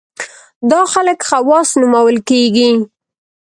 دا خلک خواص نومول کېږي.